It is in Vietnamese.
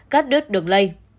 các đứt đường lây